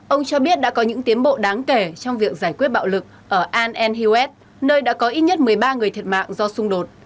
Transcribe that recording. ông cho biết đã có những tiến bộ đáng kể trong việc giải quyết bạo lực ở al anhwet nơi đã có ít nhất một mươi ba người thiệt mạng do xung đột